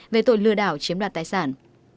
về tội lừa đảo chiếm đoạt tài sản